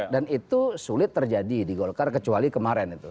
dan itu sulit terjadi di golkar kecuali kemarin itu